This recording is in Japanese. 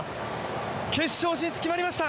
決勝進出決まりました